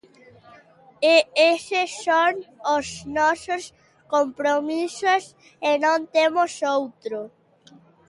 E eses son os nosos compromisos, e non temos outro.